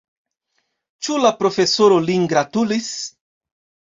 Ĉu la profesoro lin gratulis?